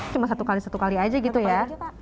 cuma satu kali satu kali aja gitu ya